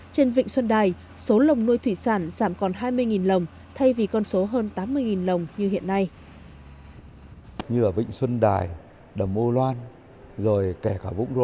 trên vịnh xuân đài số lồng nuôi thủy sản giảm khóa